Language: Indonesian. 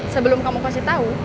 sebelum kamu kasih tau